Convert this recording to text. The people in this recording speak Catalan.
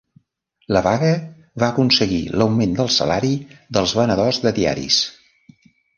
La vaga va aconseguir l'augment del salari dels venedors de diaris.